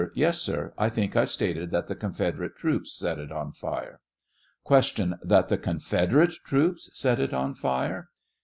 Yes, sir; I think I stated that the Confederate troops set it on fire. 39 Q. That the Confederate troops set it on fire